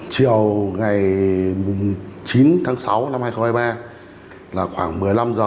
chiều ngày chín tháng sáu năm hai nghìn hai mươi ba là khoảng một mươi năm h